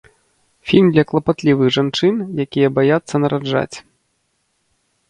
Фільм для клапатлівых жанчын, якія баяцца нараджаць.